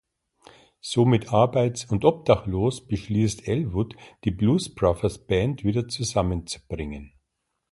Somit arbeits- und obdachlos beschließt Elwood, die Blues Brothers Band wieder zusammenzubringen.